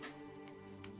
setiap senulun buat